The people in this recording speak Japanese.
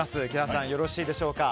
ＫｉＬａさんよろしいでしょうか。